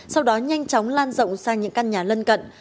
sau đó nhanh chóng lan rộng sang những căn nhà lân cận